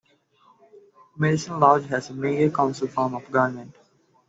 Medicine Lodge has a mayor-council form of government.